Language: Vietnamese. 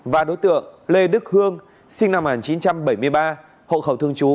và đối tượng lê đức hương sinh năm một nghìn chín trăm bảy mươi ba hộ khẩu thương chú